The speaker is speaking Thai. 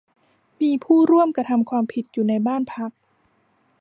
มีผู้ร่วมกระทำความผิดอยู่ในบ้านพัก